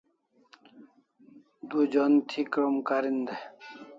Du jon thi krom karin dai